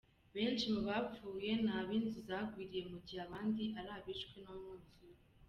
Benshi mu bapfuye ni abo inzu zagwiriye mu gihe abandi ari abishwe n’umwuzure.